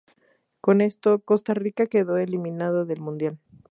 Con esto, Costa Rica quedó eliminado del mundial.